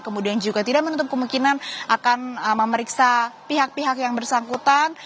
kemudian juga tidak menutup kemungkinan akan memeriksa pihak pihak yang bersangkutan